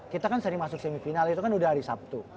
kita kan sering masuk semifinal itu kan udah hari sabtu